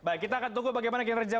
baik kita akan tunggu bagaimana kinerja